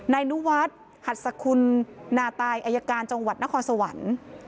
นายนุวัฒน์หัสคุณนาตายอายการจังหวัดนครสวรรค์